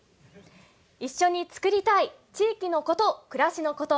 一緒に作りたい地域のこと暮らしのこと。